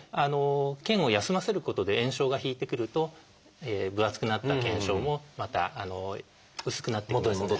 腱を休ませることで炎症が引いてくると分厚くなった腱鞘もまた薄くなってきますので。